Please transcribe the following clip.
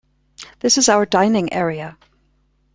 This is our dining area.